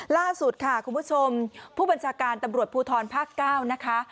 ล่าสุดค่ะคุณผู้ชมผู้บัญชาการตำรวจภูทรภาค๙นะคะ